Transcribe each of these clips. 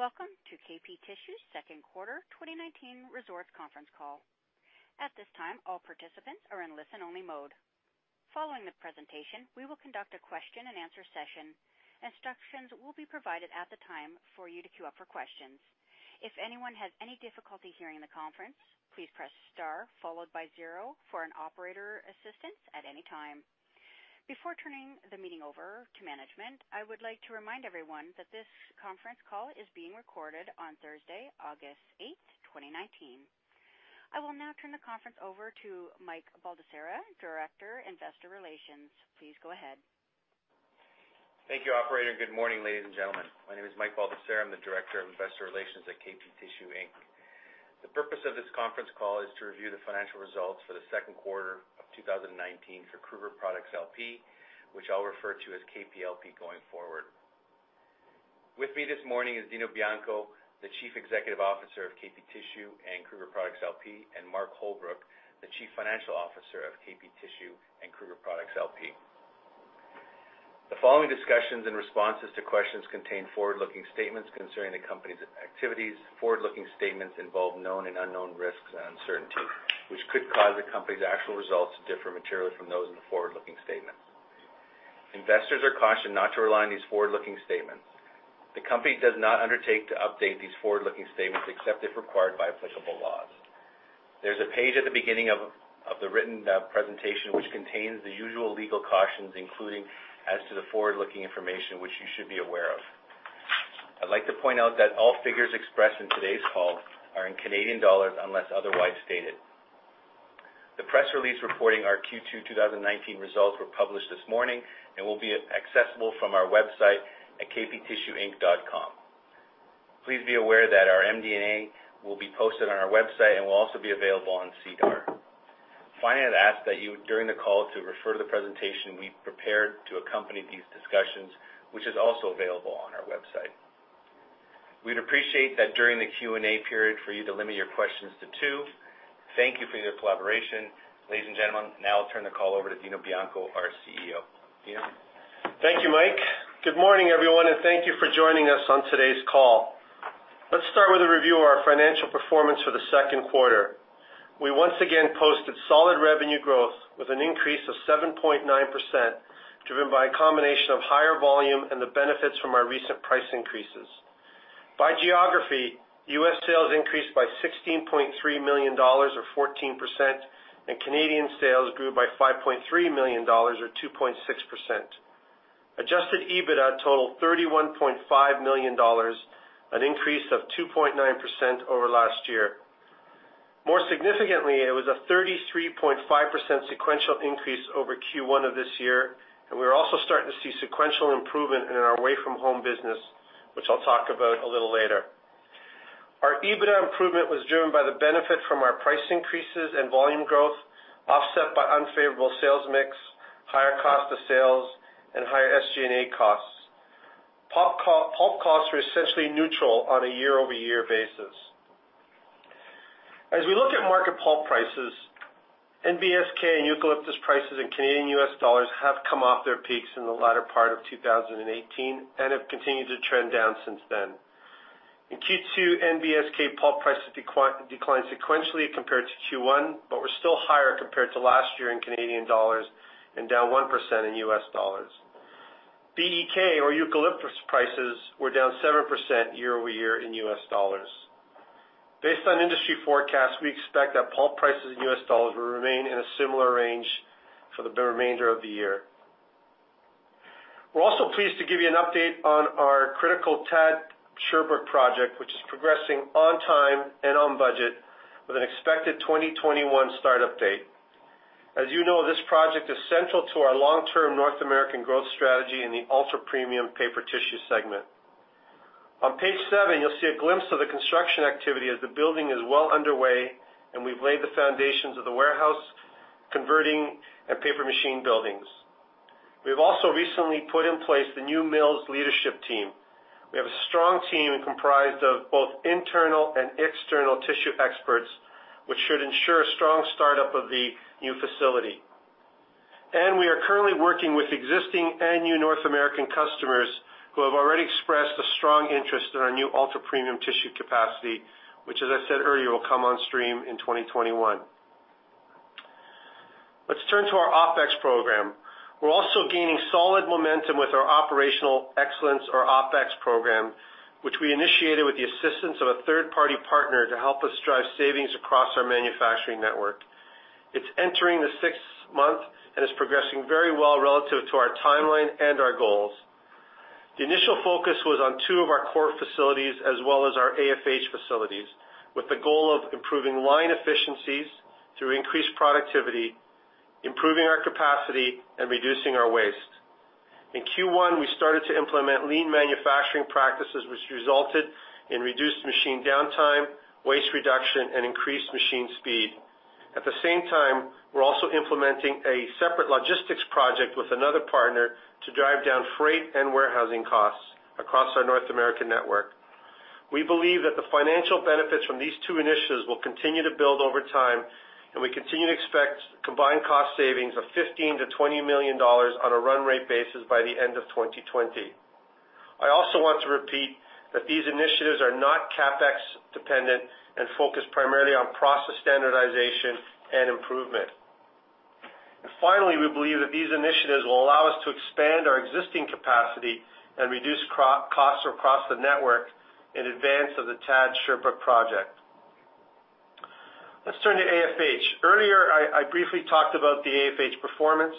Welcome to KP Tissue's second quarter 2019 Results Conference call. At this time, all participants are in listen-only mode. Following the presentation, we will conduct a question-and-answer session. Instructions will be provided at the time for you to queue up for questions. If anyone has any difficulty hearing the conference, please press star followed by zero for an operator assistance at any time. Before turning the meeting over to management, I would like to remind everyone that this conference call is being recorded on Thursday, August 8th, 2019. I will now turn the conference over to Mike Baldesarra, Director, Investor Relations. Please go ahead. Thank you, Operator. Good morning, ladies and gentlemen. My name is Mike Baldesarra. I'm the Director of Investor Relations at KP Tissue Inc. The purpose of this conference call is to review the financial results for the second quarter of 2019 for Kruger Products LP, which I'll refer to as KP LP going forward. With me this morning is Dino Bianco, the Chief Executive Officer of KP Tissue and Kruger Products LP, and Mark Holbrook, the Chief Financial Officer of KP Tissue and Kruger Products LP. The following discussions and responses to questions contain forward-looking statements concerning the company's activities. Forward-looking statements involve known and unknown risks and uncertainty, which could cause the company's actual results to differ materially from those in the forward-looking statements. Investors are cautioned not to rely on these forward-looking statements. The company does not undertake to update these forward-looking statements except if required by applicable laws. There's a page at the beginning of the written presentation which contains the usual legal cautions, including as to the forward-looking information, which you should be aware of. I'd like to point out that all figures expressed in today's call are in Canadian dollars unless otherwise stated. The press release reporting our Q2 2019 results were published this morning and will be accessible from our website at kptissueinc.com. Please be aware that our MD&A will be posted on our website and will also be available on SEDAR. Finally, I'd ask that you, during the call, refer to the presentation we prepared to accompany these discussions, which is also available on our website. We'd appreciate that during the Q&A period for you to limit your questions to two. Thank you for your collaboration. Ladies and gentlemen, now I'll turn the call over to Dino Bianco, our CEO. Thank you, Mike. Good morning, everyone, and thank you for joining us on today's call. Let's start with a review of our financial performance for the second quarter. We once again posted solid revenue growth with an increase of 7.9% driven by a combination of higher volume and the benefits from our recent price increases. By geography, U.S. sales increased by $16.3 million, or 14%, and Canadian sales grew by $5.3 million, or 2.6%. Adjusted EBITDA totaled $31.5 million, an increase of 2.9% over last year. More significantly, it was a 33.5% sequential increase over Q1 of this year, and we're also starting to see sequential improvement in our Away-From-Home business, which I'll talk about a little later. Our EBITDA improvement was driven by the benefit from our price increases and volume growth offset by unfavorable sales mix, higher cost of sales, and higher SG&A costs. Pulp costs were essentially neutral on a year-over-year basis. As we look at market pulp prices, NBSK and eucalyptus prices in Canadian and U.S. dollars have come off their peaks in the latter part of 2018 and have continued to trend down since then. In Q2, NBSK pulp prices declined sequentially compared to Q1, but were still higher compared to last year in Canadian dollars and down 1% in U.S. dollars. BEK, or eucalyptus prices, were down 7% year-over-year in U.S. dollars. Based on industry forecasts, we expect that pulp prices in U.S. dollars will remain in a similar range for the remainder of the year. We're also pleased to give you an update on our critical TAD Sherbrooke project, which is progressing on time and on budget with an expected 2021 startup date. As you know, this project is central to our long-term North American growth strategy in the ultra-premium paper tissue segment. On page seven, you'll see a glimpse of the construction activity as the building is well underway, and we've laid the foundations of the warehouse, converting, and paper machine buildings. We've also recently put in place the new mill's leadership team. We have a strong team comprised of both internal and external tissue experts, which should ensure a strong startup of the new facility. And we are currently working with existing and new North American customers who have already expressed a strong interest in our new ultra-premium tissue capacity, which, as I said earlier, will come on stream in 2021. Let's turn to our OPEX program. We're also gaining solid momentum with our operational excellence, or OPEX program, which we initiated with the assistance of a third-party partner to help us drive savings across our manufacturing network. It's entering the sixth month and is progressing very well relative to our timeline and our goals. The initial focus was on 2 of our core facilities as well as our AFH facilities, with the goal of improving line efficiencies through increased productivity, improving our capacity, and reducing our waste. In Q1, we started to implement lean manufacturing practices, which resulted in reduced machine downtime, waste reduction, and increased machine speed. At the same time, we're also implementing a separate logistics project with another partner to drive down freight and warehousing costs across our North American network. We believe that the financial benefits from these two initiatives will continue to build over time, and we continue to expect combined cost savings of $15 million-$20 million on a run rate basis by the end of 2020. I also want to repeat that these initiatives are not CAPEX dependent and focus primarily on process standardization and improvement. Finally, we believe that these initiatives will allow us to expand our existing capacity and reduce costs across the network in advance of the TAD Sherbrooke project. Let's turn to AFH. Earlier, I briefly talked about the AFH performance.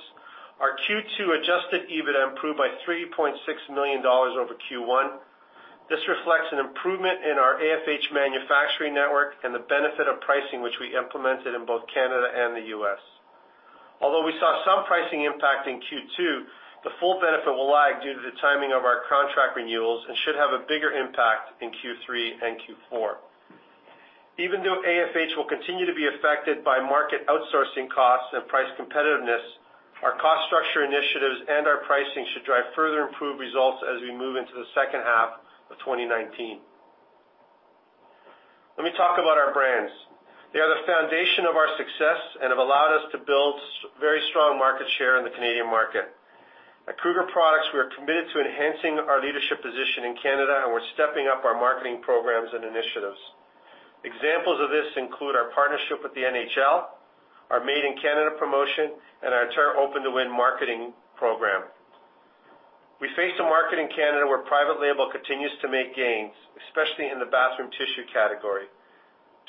Our Q2 Adjusted EBITDA improved by $3.6 million over Q1. This reflects an improvement in our AFH manufacturing network and the benefit of pricing, which we implemented in both Canada and the U.S. Although we saw some pricing impact in Q2, the full benefit will lag due to the timing of our contract renewals and should have a bigger impact in Q3 and Q4. Even though AFH will continue to be affected by market outsourcing costs and price competitiveness, our cost structure initiatives and our pricing should drive further improved results as we move into the second half of 2019. Let me talk about our brands. They are the foundation of our success and have allowed us to build very strong market share in the Canadian market. At Kruger Products, we are committed to enhancing our leadership position in Canada, and we're stepping up our marketing programs and initiatives. Examples of this include our partnership with the NHL, our Made in Canada promotion, and our Tear Open to Win marketing program. We face a market in Canada where private label continues to make gains, especially in the bathroom tissue category.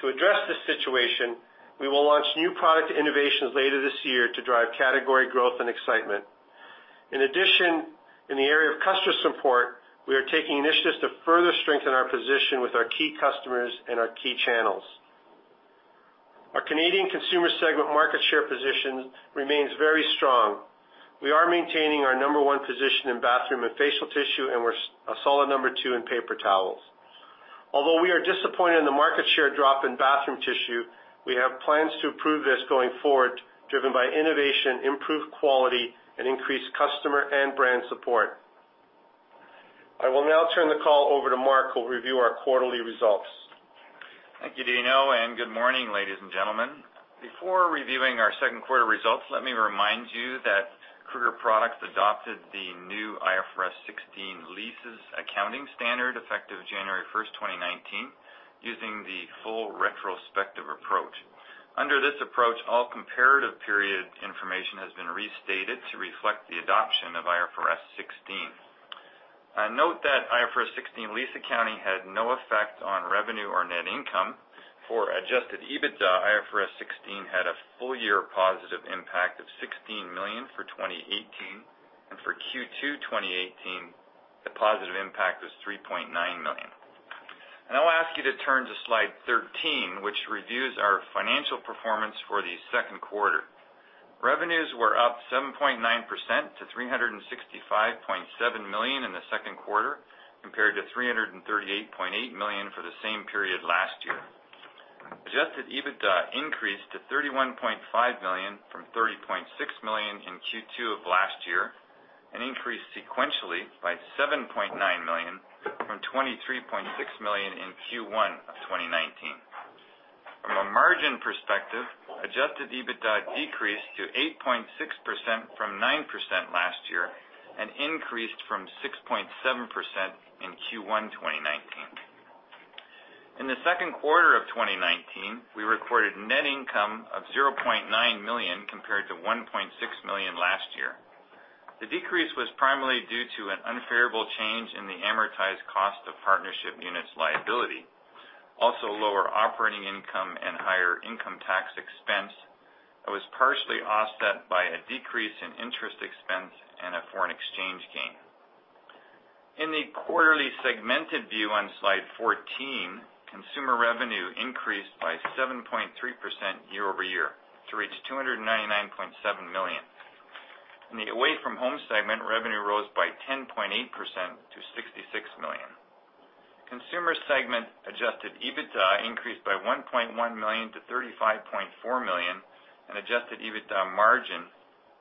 To address this situation, we will launch new product innovations later this year to drive category growth and excitement. In addition, in the area of customer support, we are taking initiatives to further strengthen our position with our key customers and our key channels. Our Canadian consumer segment market share position remains very strong. We are maintaining our number one position in bathroom and facial tissue, and we're a solid number two in paper towels. Although we are disappointed in the market share drop in bathroom tissue, we have plans to improve this going forward, driven by innovation, improved quality, and increased customer and brand support. I will now turn the call over to Mark who will review our quarterly results. Thank you, Dino, and good morning, ladies and gentlemen. Before reviewing our second quarter results, let me remind you that Kruger Products adopted the new IFRS 16 leases accounting standard effective January 1st, 2019, using the full retrospective approach. Under this approach, all comparative period information has been restated to reflect the adoption of IFRS 16. Note that IFRS 16 lease accounting had no effect on revenue or net income. For Adjusted EBITDA, IFRS 16 had a full year positive impact of 16 million for 2018, and for Q2 2018, the positive impact was 3.9 million. I'll ask you to turn to slide 13, which reviews our financial performance for the second quarter. Revenues were up 7.9% to 365.7 million in the second quarter, compared to 338.8 million for the same period last year. Adjusted EBITDA increased to 31.5 million from 30.6 million in Q2 of last year and increased sequentially by 7.9 million from 23.6 million in Q1 of 2019. From a margin perspective, adjusted EBITDA decreased to 8.6% from 9% last year and increased from 6.7% in Q1 2019. In the second quarter of 2019, we recorded net income of 0.9 million compared to 1.6 million last year. The decrease was primarily due to an unfavorable change in the amortized cost of partnership units liability, also lower operating income and higher income tax expense that was partially offset by a decrease in interest expense and a foreign exchange gain. In the quarterly segmented view on slide 14, consumer revenue increased by 7.3% year-over-year to reach 299.7 million. In the away-from-home segment, revenue rose by 10.8% to 66 million. Consumer segment Adjusted EBITDA increased by $1.1 million to $35.4 million, and Adjusted EBITDA margin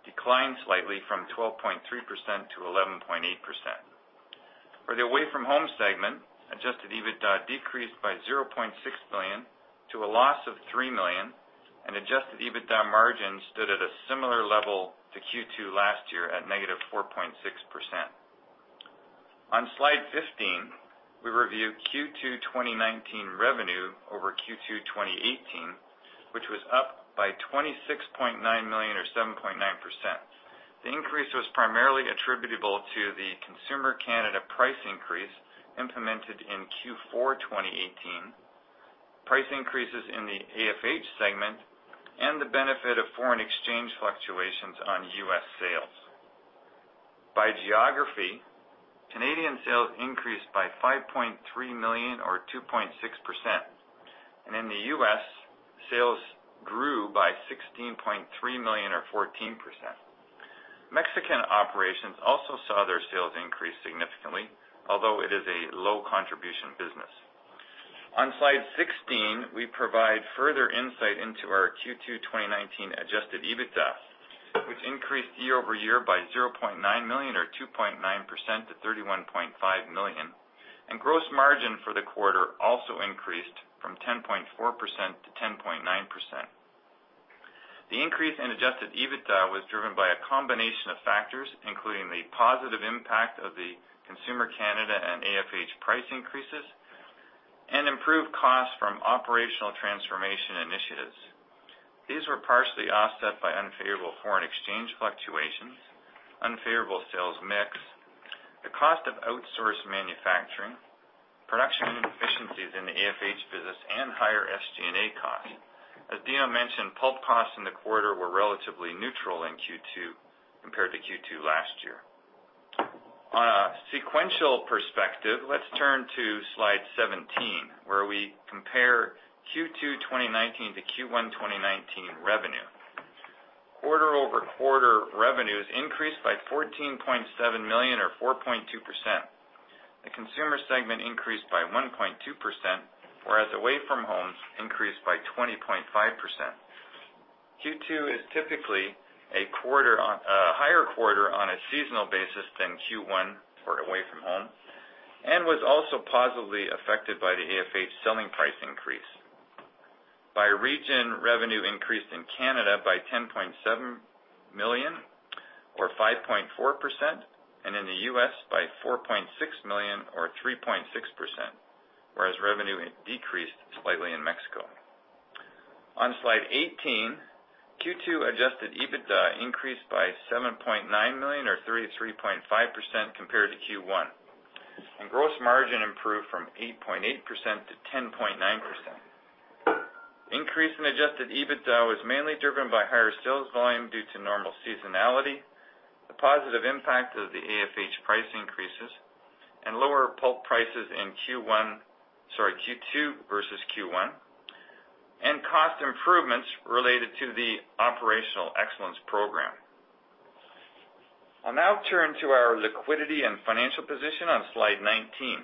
declined slightly from 12.3% to 11.8%. For the away-from-home segment, Adjusted EBITDA decreased by $0.6 million to a loss of $3 million, and Adjusted EBITDA margin stood at a similar level to Q2 last year at negative 4.6%. On slide 15, we review Q2 2019 revenue over Q2 2018, which was up by $26.9 million, or 7.9%. The increase was primarily attributable to the Consumer Canada price increase implemented in Q4 2018, price increases in the AFH segment, and the benefit of foreign exchange fluctuations on U.S. sales. By geography, Canadian sales increased by $5.3 million, or 2.6%, and in the U.S., sales grew by $16.3 million, or 14%. Mexican operations also saw their sales increase significantly, although it is a low-contribution business. On slide 16, we provide further insight into our Q2 2019 Adjusted EBITDA, which increased year-over-year by 0.9 million, or 2.9% to 31.5 million, and gross margin for the quarter also increased from 10.4% to 10.9%. The increase in Adjusted EBITDA was driven by a combination of factors, including the positive impact of the Consumer Canada and AFH price increases and improved costs from operational transformation initiatives. These were partially offset by unfavorable foreign exchange fluctuations, unfavorable sales mix, the cost of outsourced manufacturing, production inefficiencies in the AFH business, and higher SG&A costs. As Dino mentioned, pulp costs in the quarter were relatively neutral in Q2 compared to Q2 last year. On a sequential perspective, let's turn to slide 17, where we compare Q2 2019 to Q1 2019 revenue. Quarter-over-quarter revenues increased by 14.7 million, or 4.2%. The consumer segment increased by 1.2%, whereas Away-From-Home increased by 20.5%. Q2 is typically a higher quarter on a seasonal basis than Q1 for away-from-home, and was also positively affected by the AFH selling price increase. By region, revenue increased in Canada by 10.7 million, or 5.4%, and in the U.S. by 4.6 million, or 3.6%, whereas revenue decreased slightly in Mexico. On slide 18, Q2 Adjusted EBITDA increased by 7.9 million, or 33.5%, compared to Q1, and gross margin improved from 8.8%-10.9%. Increase in Adjusted EBITDA was mainly driven by higher sales volume due to normal seasonality, the positive impact of the AFH price increases, and lower pulp prices in Q2 versus Q1, and cost improvements related to the operational excellence program. I'll now turn to our liquidity and financial position on slide 19.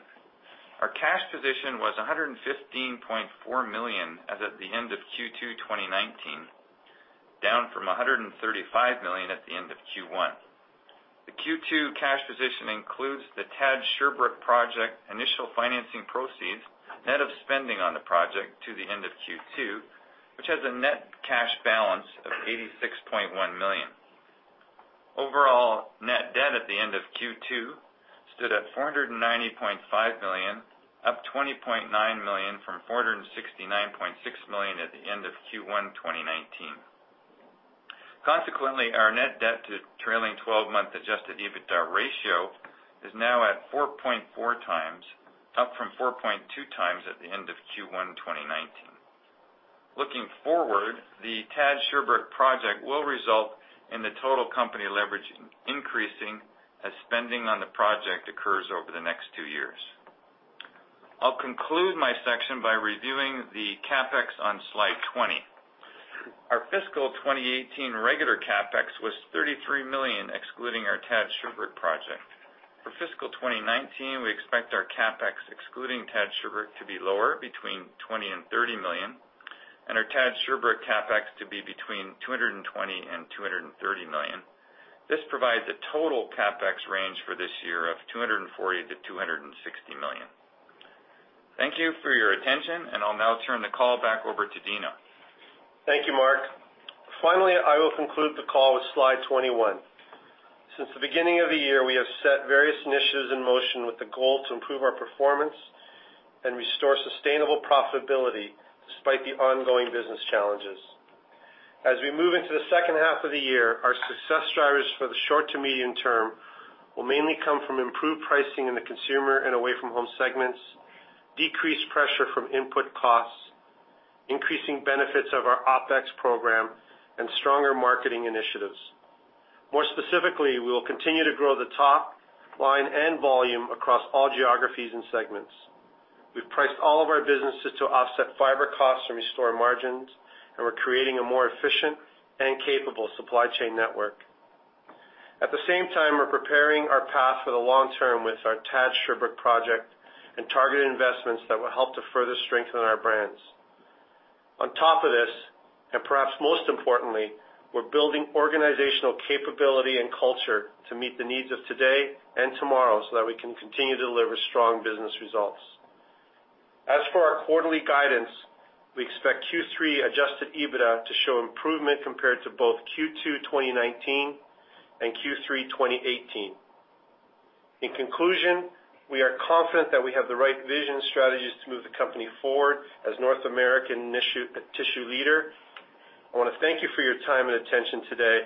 Our cash position was 115.4 million as at the end of Q2 2019, down from 135 million at the end of Q1. The Q2 cash position includes the TAD Sherbrooke project initial financing proceeds, net of spending on the project to the end of Q2, which has a net cash balance of $86.1 million. Overall net debt at the end of Q2 stood at $490.5 million, up $20.9 million from $469.6 million at the end of Q1 2019. Consequently, our net debt to trailing 12-month Adjusted EBITDA ratio is now at 4.4 times, up from 4.2 times at the end of Q1 2019. Looking forward, the TAD Sherbrooke project will result in the total company leverage increasing as spending on the project occurs over the next two years. I'll conclude my section by reviewing the CAPEX on slide 20. Our fiscal 2018 regular CAPEX was $33 million, excluding our TAD Sherbrooke project. For fiscal 2019, we expect our CAPEX, excluding TAD Sherbrooke, to be lower between 20 and 30 million, and our TAD Sherbrooke CAPEX to be between 220 and 230 million. This provides a total CAPEX range for this year of 240-260 million. Thank you for your attention, and I'll now turn the call back over to Dino. Thank you, Mark. Finally, I will conclude the call with slide 21. Since the beginning of the year, we have set various initiatives in motion with the goal to improve our performance and restore sustainable profitability despite the ongoing business challenges. As we move into the second half of the year, our success drivers for the short to medium term will mainly come from improved pricing in the consumer and away-from-home segments, decreased pressure from input costs, increasing benefits of our OPEX program, and stronger marketing initiatives. More specifically, we will continue to grow the top line and volume across all geographies and segments. We've priced all of our businesses to offset fiber costs and restore margins, and we're creating a more efficient and capable supply chain network. At the same time, we're preparing our path for the long term with our TAD Sherbrooke project and targeted investments that will help to further strengthen our brands. On top of this, and perhaps most importantly, we're building organizational capability and culture to meet the needs of today and tomorrow so that we can continue to deliver strong business results. As for our quarterly guidance, we expect Q3 Adjusted EBITDA to show improvement compared to both Q2 2019 and Q3 2018. In conclusion, we are confident that we have the right vision and strategies to move the company forward as North American tissue leader. I want to thank you for your time and attention today.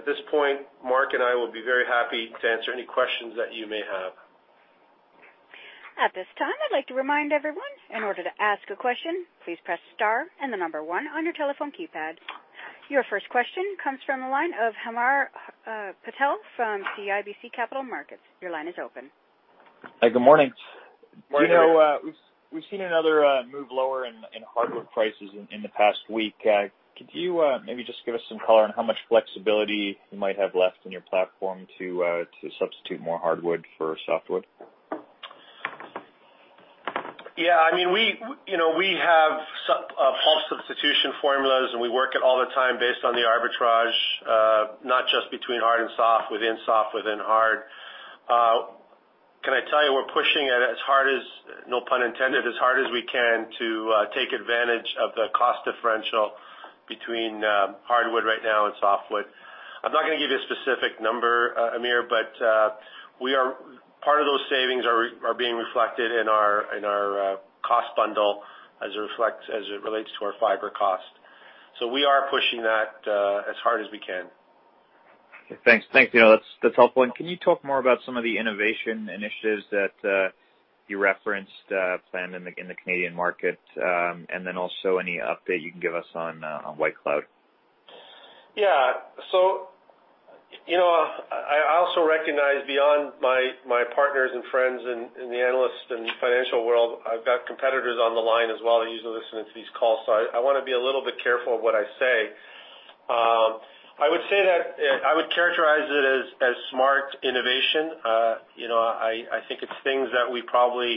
At this point, Mark and I will be very happy to answer any questions that you may have. At this time, I'd like to remind everyone, in order to ask a question, please press star and the number one on your telephone keypad. Your first question comes from the line of Hamir Patel from CIBC Capital Markets. Your line is open. Hi, good morning. We've seen another move lower in hardwood prices in the past week. Could you maybe just give us some color on how much flexibility you might have left in your platform to substitute more hardwood for softwood? Yeah, I mean, we have pulp substitution formulas, and we work it all the time based on the arbitrage, not just between hard and soft, within soft, within hard. Can I tell you we're pushing it as hard as, no pun intended, as hard as we can to take advantage of the cost differential between hardwood right now and softwood. I'm not going to give you a specific number, Hamir, but part of those savings are being reflected in our cost bundle as it relates to our fiber cost. So we are pushing that as hard as we can. Thanks, Dino. That's helpful. And can you talk more about some of the innovation initiatives that you referenced planned in the Canadian market, and then also any update you can give us on White Cloud? Yeah. So I also recognize, beyond my partners and friends in the analyst and financial world, I've got competitors on the line as well that are usually listening to these calls, so I want to be a little bit careful of what I say. I would say that I would characterize it as smart innovation. I think it's things that we probably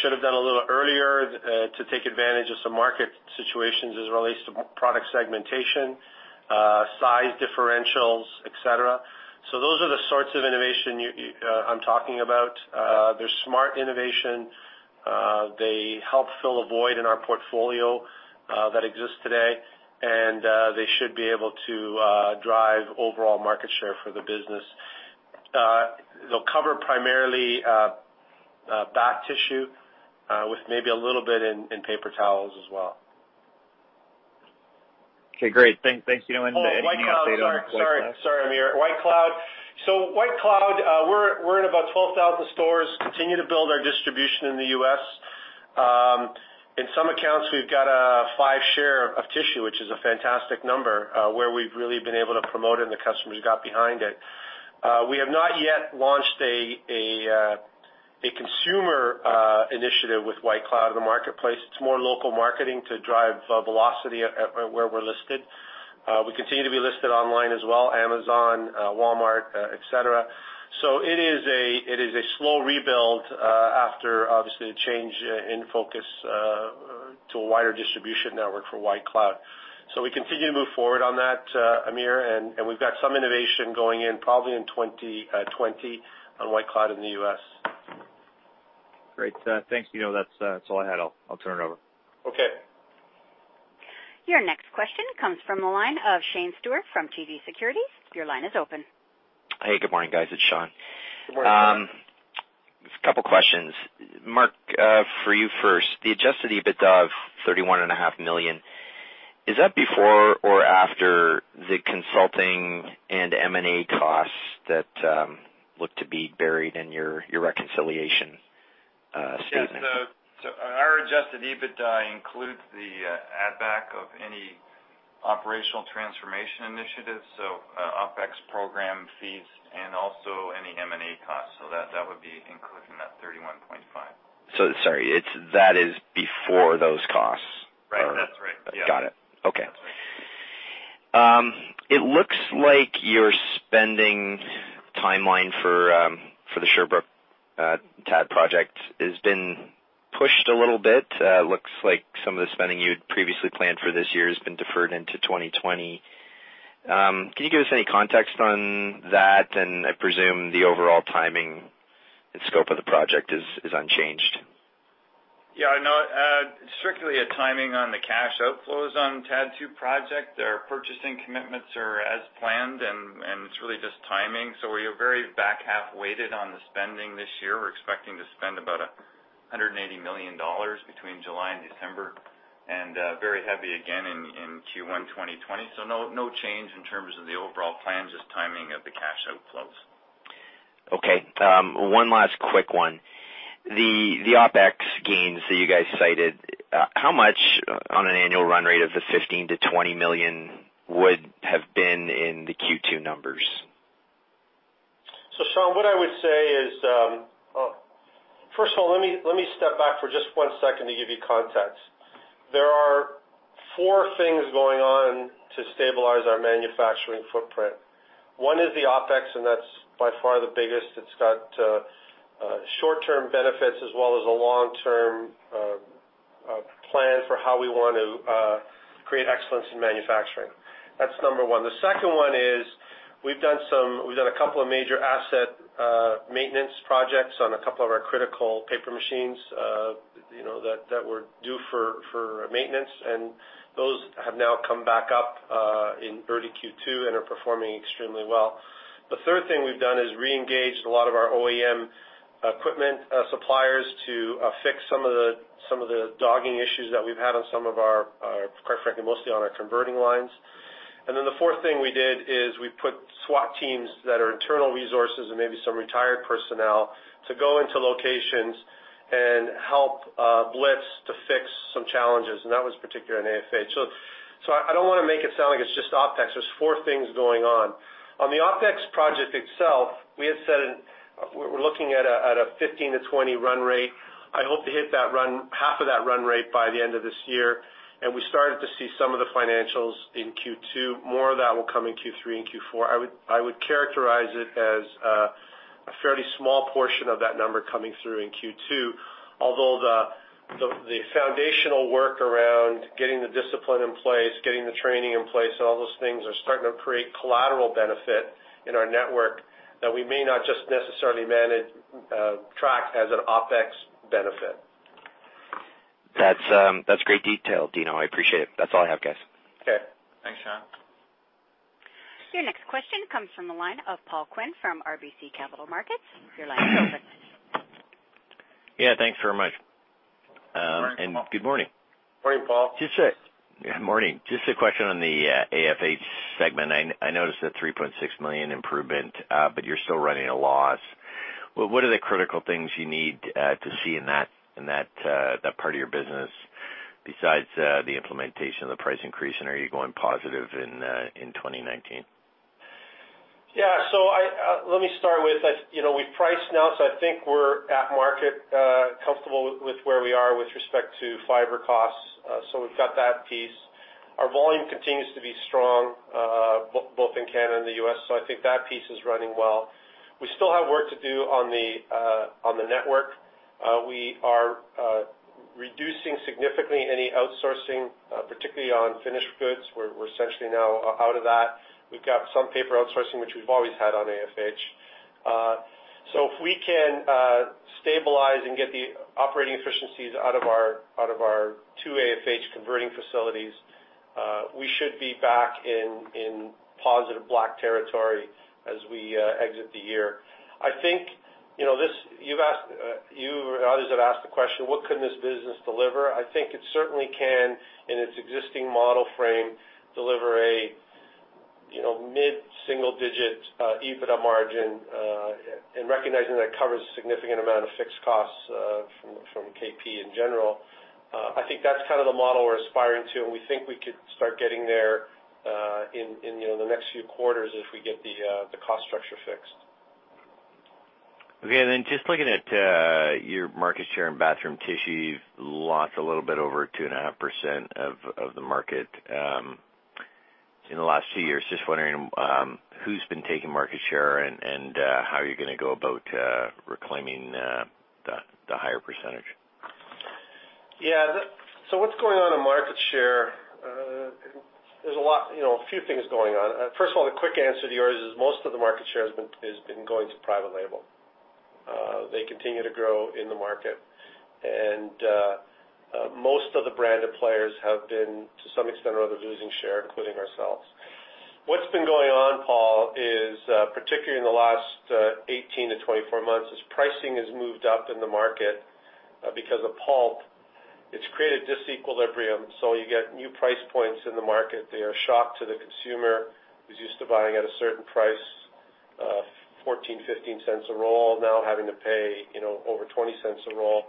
should have done a little earlier to take advantage of some market situations as it relates to product segmentation, size differentials, etc. So those are the sorts of innovation I'm talking about. They're smart innovation. They help fill a void in our portfolio that exists today, and they should be able to drive overall market share for the business. They'll cover primarily bath tissue with maybe a little bit in paper towels as well. Okay, great. Thanks, Dino. Anything else? Oh, sorry, Hamir. White Cloud. So White Cloud, we're in about 12,000 stores and continue to build our distribution in the U.S. In some accounts, we've got a 5-share of tissue, which is a fantastic number, where we've really been able to promote it, and the customers got behind it. We have not yet launched a consumer initiative with White Cloud in the marketplace. It's more local marketing to drive velocity where we're listed. We continue to be listed online as well: Amazon, Walmart, etc. So it is a slow rebuild after, obviously, a change in focus to a wider distribution network for White Cloud. So we continue to move forward on that, Hamir, and we've got some innovation going in probably in 2020 on White Cloud in the U.S. Great. Thanks, Dino. That's all I had. I'll turn it over. Okay. Your next question comes from the line of Sean Steuart from TD Securities. Your line is open. Hey, good morning, guys. It's Sean. Good morning, Sean. Couple of questions. Mark, for you first, the Adjusted EBITDA of $31.5 million, is that before or after the consulting and M&A costs that look to be buried in your reconciliation statement? Yes. So our Adjusted EBITDA includes the add-back of any operational transformation initiatives, so OPEX program fees, and also any M&A costs. So that would be included in that $31.5. So sorry, that is before those costs. Right. That's right. Got it. Okay. It looks like your spending timeline for the Sherbrooke TAD project has been pushed a little bit. It looks like some of the spending you had previously planned for this year has been deferred into 2020. Can you give us any context on that? I presume the overall timing and scope of the project is unchanged. Yeah. No, strictly a timing on the cash outflows on TAD 2 project. Our purchasing commitments are as planned, and it's really just timing. So we are very back-half-weighted on the spending this year. We're expecting to spend about $180 million between July and December, and very heavy again in Q1 2020. So no change in terms of the overall plan, just timing of the cash outflows. Okay. One last quick one. The OPEX gains that you guys cited, how much on an annual run rate of the $15-$20 million would have been in the Q2 numbers? So Sean, what I would say is, first of all, let me step back for just one second to give you context. There are four things going on to stabilize our manufacturing footprint. One is the OPEX, and that's by far the biggest. It's got short-term benefits as well as a long-term plan for how we want to create excellence in manufacturing. That's number one. The second one is we've done a couple of major asset maintenance projects on a couple of our critical paper machines that were due for maintenance, and those have now come back up in early Q2 and are performing extremely well. The third thing we've done is re-engaged a lot of our OEM equipment suppliers to fix some of the ongoing issues that we've had on some of our, quite frankly, mostly on our converting lines. And then the fourth thing we did is we put SWAT teams that are internal resources and maybe some retired personnel to go into locations and help blitz to fix some challenges. And that was particularly in AFH. So I don't want to make it sound like it's just OPEX. There's four things going on. On the OPEX project itself, we had said we're looking at a $15-$20 run rate. I hope to hit half of that run rate by the end of this year. And we started to see some of the financials in Q2. More of that will come in Q3 and Q4. I would characterize it as a fairly small portion of that number coming through in Q2, although the foundational work around getting the discipline in place, getting the training in place, and all those things are starting to create collateral benefit in our network that we may not just necessarily track as an OPEX benefit. That's great detail, Dino. I appreciate it. That's all I have, guys. Okay. Thanks, Sean. Your next question comes from the line of Paul Quinn from RBC Capital Markets. Your line is open. Yeah. Thanks very much. And good morning. Good morning, Paul. Just a question on the AFH segment. I noticed a $3.6 million improvement, but you're still running a loss. What are the critical things you need to see in that part of your business besides the implementation of the price increase, and are you going positive in 2019? Yeah. So let me start with we've priced now, so I think we're at market, comfortable with where we are with respect to fiber costs. So we've got that piece. Our volume continues to be strong, both in Canada and the U.S. So I think that piece is running well. We still have work to do on the network. We are reducing significantly any outsourcing, particularly on finished goods. We're essentially now out of that. We've got some paper outsourcing, which we've always had on AFH. So if we can stabilize and get the operating efficiencies out of our two AFH converting facilities, we should be back in positive black territory as we exit the year. I think you and others have asked the question, what can this business deliver? I think it certainly can, in its existing model frame, deliver a mid-single-digit EBITDA margin, and recognizing that covers a significant amount of fixed costs from KP in general. I think that's kind of the model we're aspiring to, and we think we could start getting there in the next few quarters if we get the cost structure fixed. Okay. Just looking at your market share in bathroom tissue, you've lost a little bit over 2.5% of the market in the last few years. Just wondering who's been taking market share and how you're going to go about reclaiming the higher percentage? Yeah. So what's going on in market share? There's a few things going on. First of all, the quick answer to yours is most of the market share has been going to private label. They continue to grow in the market, and most of the branded players have been, to some extent, or other losing share, including ourselves. What's been going on, Paul, is particularly in the last 18-24 months, is pricing has moved up in the market because of pulp. It's created disequilibrium. So you get new price points in the market. They are a shock to the consumer who's used to buying at a certain price, 14-15 cents a roll, now having to pay over 20 cents a roll.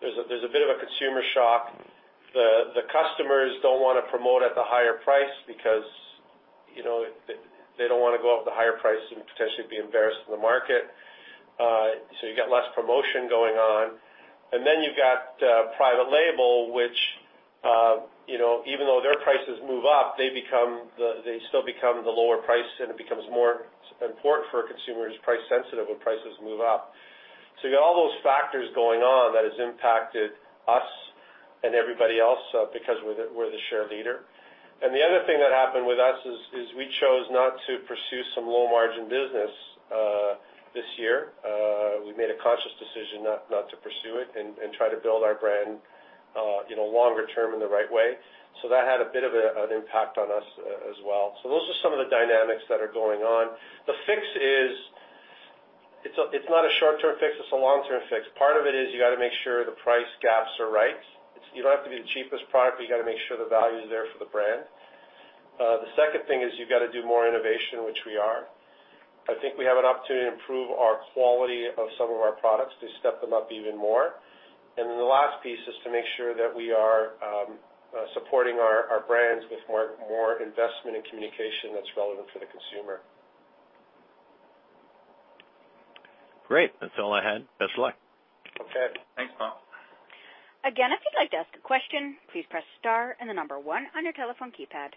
There's a bit of a consumer shock. The customers don't want to promote at the higher price because they don't want to go up the higher price and potentially be embarrassed in the market. So you've got less promotion going on. And then you've got private label, which even though their prices move up, they still become the lower price, and it becomes more important for consumers who are price-sensitive when prices move up. So you've got all those factors going on that have impacted us and everybody else because we're the share leader. And the other thing that happened with us is we chose not to pursue some low-margin business this year. We made a conscious decision not to pursue it and try to build our brand longer term in the right way. So that had a bit of an impact on us as well. So those are some of the dynamics that are going on. The fix is it's not a short-term fix. It's a long-term fix. Part of it is you got to make sure the price gaps are right. You don't have to be the cheapest product, but you got to make sure the value is there for the brand. The second thing is you've got to do more innovation, which we are. I think we have an opportunity to improve our quality of some of our products to step them up even more. Then the last piece is to make sure that we are supporting our brands with more investment and communication that's relevant for the consumer. Great. That's all I had. Best of luck. Okay. Thanks, Paul. Again, if you'd like to ask a question, please press star and the number one on your telephone keypad.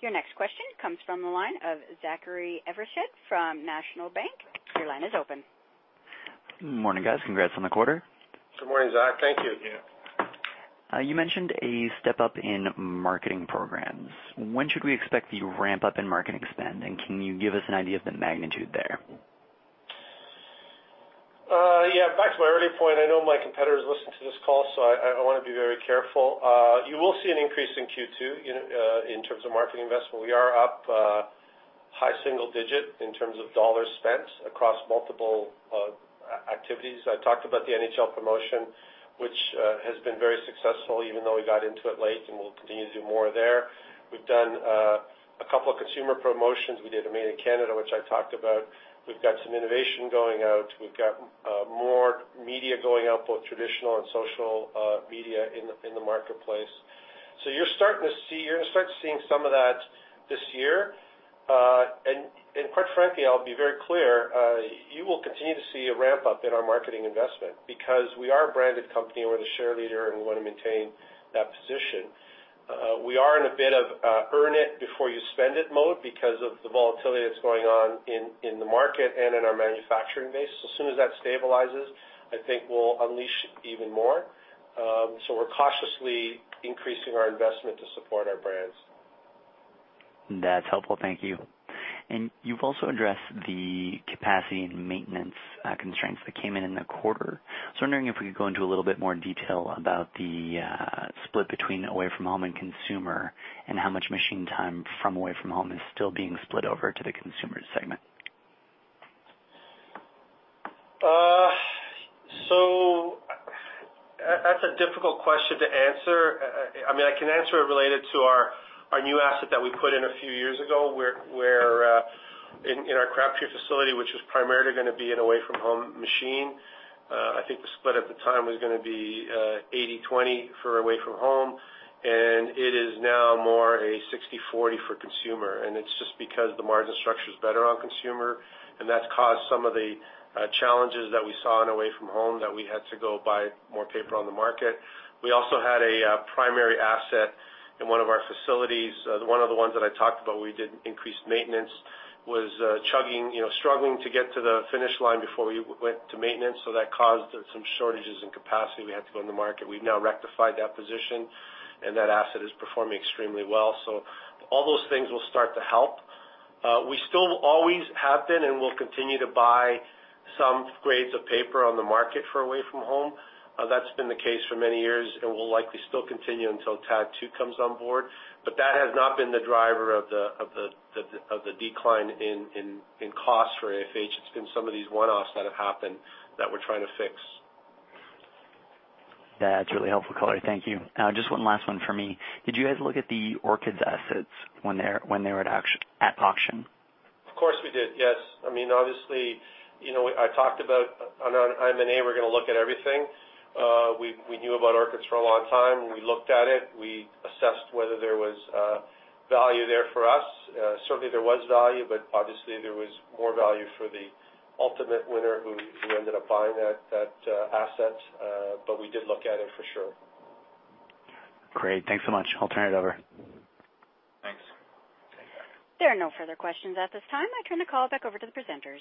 Your next question comes from the line of Zachary Evershed from National Bank. Your line is open. Morning, guys. Congrats on the quarter. Good morning, Zach. Thank you. You mentioned a step up in marketing programs. When should we expect the ramp-up in marketing spend, and can you give us an idea of the magnitude there? Yeah. Back to my earlier point, I know my competitors listen to this call, so I want to be very careful. You will see an increase in Q2 in terms of marketing investment. We are up high single-digit in terms of dollars spent across multiple activities. I talked about the NHL promotion, which has been very successful, even though we got into it late, and we'll continue to do more there. We've done a couple of consumer promotions. We did a Made in Canada, which I talked about. We've got some innovation going out. We've got more media going out, both traditional and social media in the marketplace. So you're starting to see you're going to start seeing some of that this year. And quite frankly, I'll be very clear, you will continue to see a ramp-up in our marketing investment because we are a branded company. We're the share leader, and we want to maintain that position. We are in a bit of earn it before you spend it mode because of the volatility that's going on in the market and in our manufacturing base. As soon as that stabilizes, I think we'll unleash even more. We're cautiously increasing our investment to support our brands. That's helpful. Thank you. And you've also addressed the capacity and maintenance constraints that came in in the quarter. So I'm wondering if we could go into a little bit more detail about the split between Away-From-Home and consumer and how much machine time from Away-From-Home is still being split over to the consumer segment. So that's a difficult question to answer. I mean, I can answer it related to our new asset that we put in a few years ago in our Crabtree facility, which was primarily going to be an away-from-home machine. I think the split at the time was going to be 80/20 for away-from-home, and it is now more a 60/40 for consumer. And it's just because the margin structure is better on consumer, and that's caused some of the challenges that we saw in away-from-home that we had to go buy more paper on the market. We also had a primary asset in one of our facilities. One of the ones that I talked about where we did increased maintenance was chugging, struggling to get to the finish line before we went to maintenance. So that caused some shortages in capacity. We had to go into market. We've now rectified that position, and that asset is performing extremely well. So all those things will start to help. We still always have been and will continue to buy some grades of paper on the market for away-from-home. That's been the case for many years, and will likely still continue until TAD 2 comes on board. But that has not been the driver of the decline in cost for AFH. It's been some of these one-offs that have happened that we're trying to fix. That's really helpful, caller. Thank you. Now, just one last one for me. Did you guys look at the Orchids assets when they were at auction? Of course we did. Yes. I mean, obviously, I talked about on M&A, we're going to look at everything. We knew about Orchids for a long time. We looked at it. We assessed whether there was value there for us. Certainly, there was value, but obviously, there was more value for the ultimate winner who ended up buying that asset. But we did look at it for sure. Great. Thanks so much. I'll turn it over. Thanks. There are no further questions at this time. I turn the call back over to the presenters.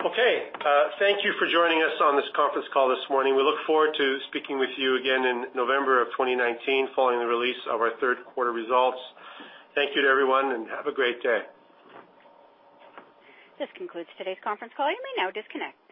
Okay. Thank you for joining us on this conference call this morning. We look forward to speaking with you again in November of 2019 following the release of our third quarter results. Thank you to everyone, and have a great day. This concludes today's conference call. You may now disconnect.